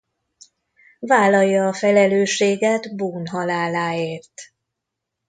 Vállalja a felelősséget Boone haláláért.